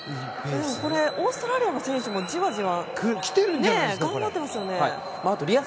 オーストラリアの選手もじわじわ頑張ってますよね。